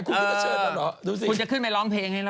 โคคริกจะเชิญกับเรา